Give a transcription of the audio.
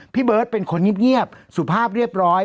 พี่เบิร์ตเป็นคนเงียบสุภาพเรียบร้อย